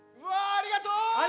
ありがとう！